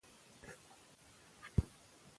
که پیغام وي نو خبر نه پاتې کیږي.